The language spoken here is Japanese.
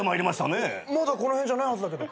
まだこの辺じゃないはずだけど。